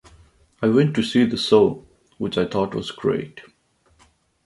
I went to see the show, which I thought was great.